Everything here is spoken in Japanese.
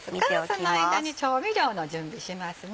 その間に調味料の準備しますね。